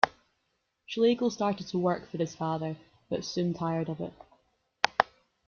Schlegel started to work for his father, but soon tired of it.